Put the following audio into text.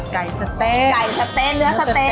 สะเต๊ะไก่สะเต๊ะเนื้อสะเต๊ะ